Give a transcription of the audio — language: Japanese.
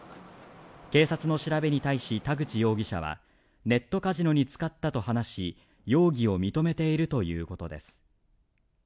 警察の調べに対し田口容疑者はネットカジノに使ったと話し、容疑を認めているということです。